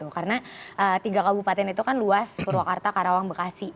karena tiga kabupaten itu kan luas purwakarta karawang bekasi